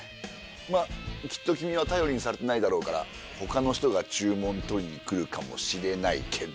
まっきっと君は頼りにされてないだろうから他の人が注文取りに来るかもしれないけど。